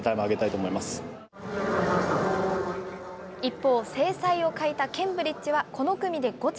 一方、精彩を欠いたケンブリッジは、この組で５着。